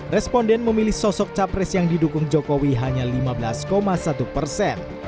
responden memilih sosok capres yang didukung jokowi hanya lima belas satu persen